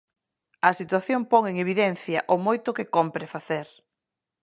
A situación pon en evidencia o moito que compre facer.